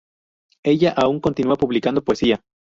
Ella aun continua publicando poesía.